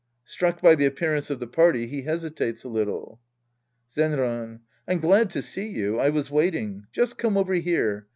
{Struck by the appearance of the party, he hesitates a little!) Zenran. I'm glad to see you. I was waiting. Just come over here.